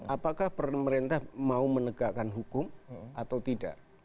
apakah pemerintah mau menegakkan hukum atau tidak